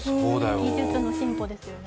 技術の進歩ですよね。